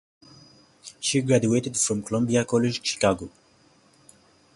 She graduated from Columbia College Chicago.